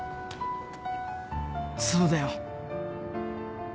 そうだよ。